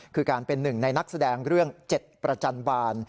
คือการเป็นหนึ่งในนักแสดงเรื่อง๗ประจันบาล